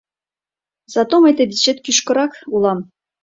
— Зато мый тый дечет кӱкшырак улам!